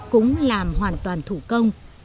cũng làm hoàn toàn thủ công